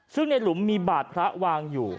ซึ่งในหลุมมีบาดพระวางอยู่